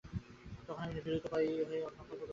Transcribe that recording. তখন আমি তিরুপতি যাওয়ার কাছে সঙ্কল্প করি।